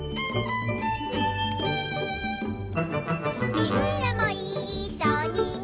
「みんなもいっしょにね」